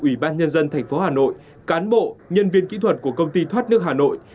ubnd tp hà nội cán bộ nhân viên kỹ thuật của công ty thoát nước hà nội